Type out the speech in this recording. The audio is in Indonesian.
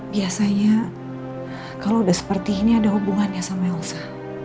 biasanya kalau udah seperti ini ada hubungannya sama elsa